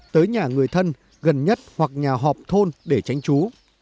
tới nhà người thân gần nhất hoặc nhà họp thôn để tránh trú